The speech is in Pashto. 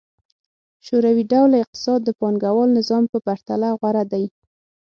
شوروي ډوله اقتصاد د پانګوال نظام په پرتله غوره دی.